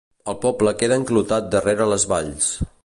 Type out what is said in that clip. El poble queda enclotat darrere les valls